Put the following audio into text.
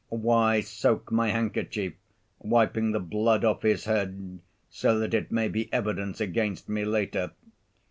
Why soak my handkerchief, wiping the blood off his head so that it may be evidence against me later?